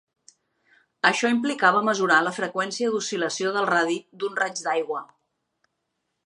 Això implicava mesurar la freqüència d'oscil·lació del radi d'un raig d'aigua.